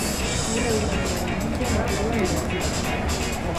Urre urdinaren bila liburua idatzi du.